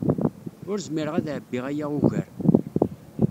Ur zmireɣ ad ɛebbiɣ aya ugar.